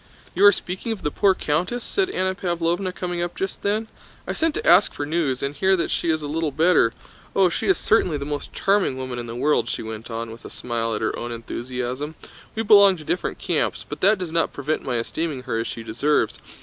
"You are speaking of the poor countess?" said Anna Pávlovna, coming up just then. "I sent to ask for news, and hear that she is a little better. Oh, she is certainly the most charming woman in the world," she went on, with a smile at her own enthusiasm. "We belong to different camps, but that does not prevent my esteeming her as she deserves.